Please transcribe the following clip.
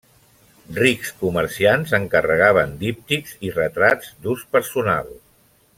Rics comerciants encarregaven díptics i retrats d'ús personal.